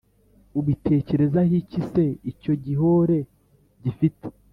Ubitekerezaho iki Ese icyo gihore gifite